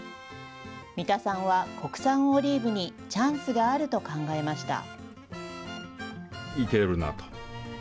三田さんは国産オリーブにチャンスがあると考えました。